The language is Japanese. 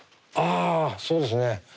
あそうですね